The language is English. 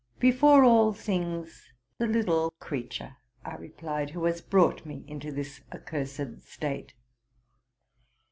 '+ Before all things, the little creature,'' I replied, '* who has brought me into this accursed state.""